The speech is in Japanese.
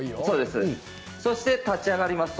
そして立ち上がります。